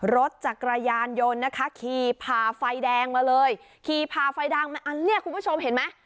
รถจักรยานยนต์นะคะขี่ผ่าไฟแดงมาเลยขี่ผ่าไฟแดงมาอันนี้คุณผู้ชมเห็นไหม